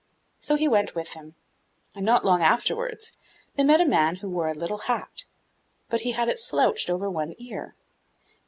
So he went with him, and, not long afterwards, they met a man who wore a little hat, but he had it slouched over one ear.